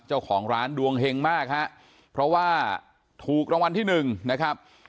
เจ้าของร้านดวงเฮงมากฮะเพราะว่าถูกรางวัลที่หนึ่งนะครับ